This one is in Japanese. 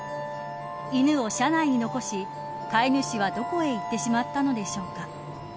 犬を車内に残し飼い主はどこへ行ってしまったのでしょうか。